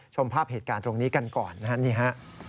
ชมภาพเหตุการณ์ตรงนี้กันก่อนนะครับนี่ฮะ